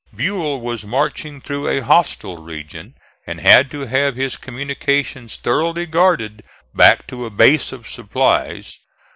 Buell was marching through a hostile region and had to have his communications thoroughly guarded back to a base of supplies.